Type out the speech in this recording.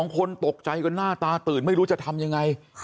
คนตกใจกันหน้าตาตื่นไม่รู้จะทำยังไง